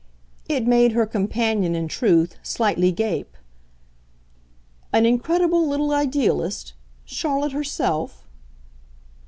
It made her companion, in truth, slightly gape. "An incredible little idealist Charlotte herself?"